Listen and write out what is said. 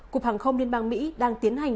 cục hàng không liên bang mỹ đang tiến hành